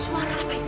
suara apa itu